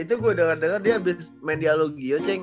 itu gue denger denger dia abis main dialogi